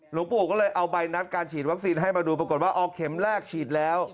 หลวงปู่ก็เลยเอาใบนัดการฉีดวัคซีนให้มาดูปรากฏว่าอ๋อเข็มแรกฉีดแล้ว